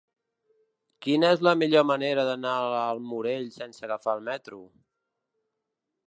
Quina és la millor manera d'anar al Morell sense agafar el metro?